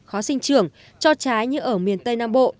khó sinh trưởng cho trái như ở miền tây nam bộ